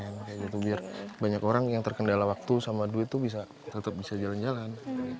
kayak gitu biar banyak orang yang terkendala waktu sama duit tuh bisa tetap bisa jalan jalan